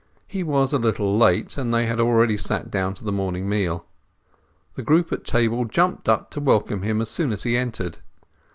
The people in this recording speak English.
He was a little late, and they had already sat down to the morning meal. The group at the table jumped up to welcome him as soon as he entered.